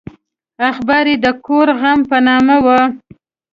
اخبار یې د کور غم په نامه و.